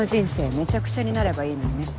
めちゃくちゃになればいいのにね。